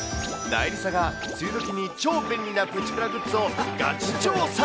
なえりさが梅雨どきに超便利なプチプラグッズをがち調査。